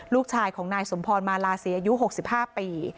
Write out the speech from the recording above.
ลูกชายของนายสมพรมาลาศีอายุ๖๕ปี